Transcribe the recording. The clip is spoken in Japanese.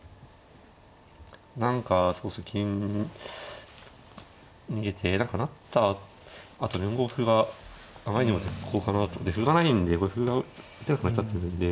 何かそうですね金逃げて何か成ったあと４五歩があまりにも絶好かなと。で歩がないんでこれ歩が打てなくなっちゃってるんで。